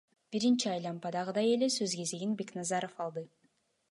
Биринчи айлампадагыдай эле сөз кезегин Бекназаров алды.